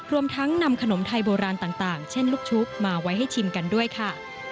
รวมทั้งนำขนมไทยโบราณต่างเช่นลูกชุบมาไว้ให้ชิมกันด้วยค่ะ